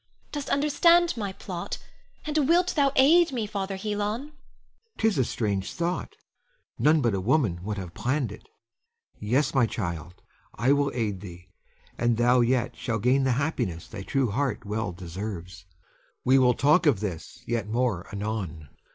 Dost understand my plot, and wilt thou aid me, Father Helon? Helon. 'Tis a strange thought! None but a woman would have planned it. Yes, my child, I will aid thee, and thou yet shall gain the happiness thy true heart well deserves. We will talk of this yet more anon.